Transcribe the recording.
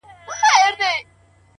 او دده اوښكي لا په شړپ بهيدې؛